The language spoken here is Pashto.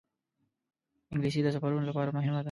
انګلیسي د سفرونو لپاره مهمه ده